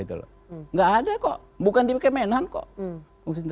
tidak ada kok bukan di kemenhan kok